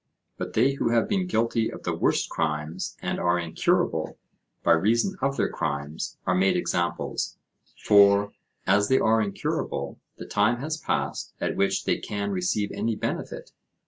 But they who have been guilty of the worst crimes, and are incurable by reason of their crimes, are made examples; for, as they are incurable, the time has passed at which they can receive any benefit.